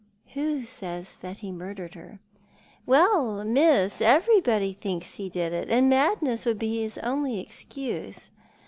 " Who says that he murdered her ?"" "Well, miss, everybody thinks he did it, and madness would be his only excuse.